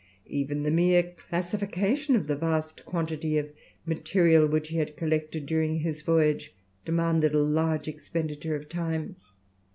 Even the mere classification of the vast quantity of material which he had collected during his voyage demanded a large expenditure of time.